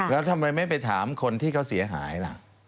แล้วทำไมไม่ไปถามคนที่เขาเสียหายล่ะ